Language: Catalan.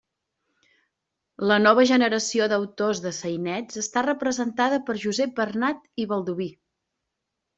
La nova generació d'autors de sainets està representada per Josep Bernat i Baldoví.